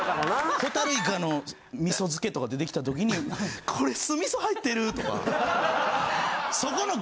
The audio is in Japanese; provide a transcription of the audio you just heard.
ホタルイカの味噌漬けとか出てきたときに「これ酢味噌入ってる！」とか。最高やな。